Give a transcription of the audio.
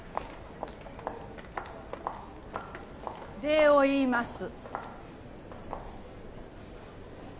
礼を言います。